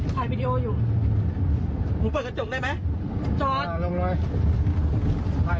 ชนแล้วหนีนู่นน่ะคนนู้นน่ะ